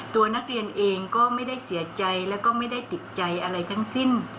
ตัวนักเรียนเองก็ไม่ได้เสียใจแล้วก็ไม่ได้ติดใจอะไรทั้งสิ้น